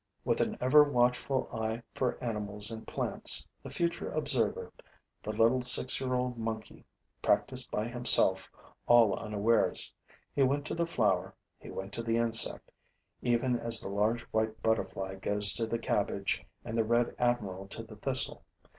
With an ever watchful eye for animals and plants, the future observer, the little six year old monkey, practiced by himself, all unawares. He went to the flower, he went to the insect, even as the large white butterfly goes to the cabbage and the red admiral to the thistle.